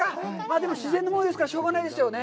でも、自然のものですからしょうがないですよね？